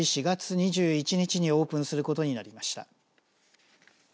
４月２１日にオープンすることになりました。